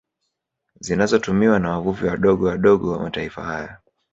Zinazotumiwa na wavuvi wadogo wadogo wa mataifa haya